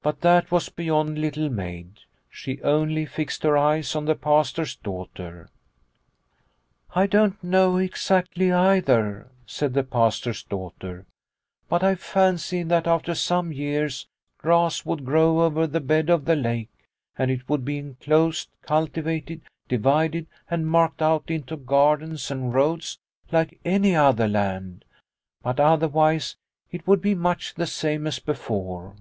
' But that was beyond Little Maid. She only fixed her eyes on the Pastor's daughter. " I don't know exactly either," said the Pastor's daughter, " but I fancy that after some years grass would grow over the bed of the lake, and it would be enclosed, cultivated, divided, and marked out into gardens and roads The Black Lake 35 like any other land ; but otherwise it would be much the same as before."